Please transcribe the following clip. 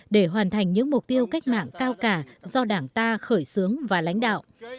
để hoàn thành những mục tiêu cách mạng cao cả do đảng ta khởi xướng và lãnh đạo